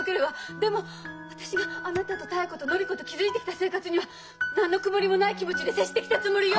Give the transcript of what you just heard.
でも私があなたと妙子と法子と築いてきた生活には何の曇りもない気持ちで接してきたつもりよ！